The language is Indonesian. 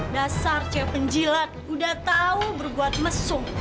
dasar ce penjilat udah tahu berbuat mesum